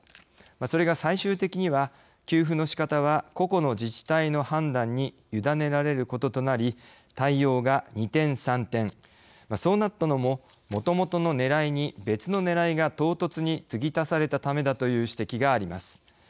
それが最終的には給付の仕方は個々の自治体の判断に委ねられることとなり対応が二転三転そうなったのももともとのねらいに別のねらいが唐突に継ぎ足されたためだと指摘されています。